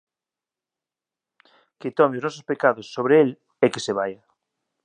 Que tome os nosos pecados sobre el e que se vaia”.